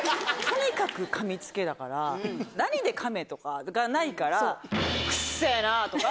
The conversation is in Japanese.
とにかくかみつけだから、何でかめとかがないから、くっせーな！とか。